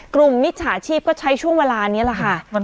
มิจฉาชีพก็ใช้ช่วงเวลานี้แหละค่ะ